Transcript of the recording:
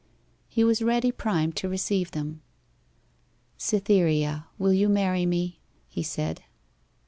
He was ready primed to receive them. 'Cytherea, will you marry me?' he said.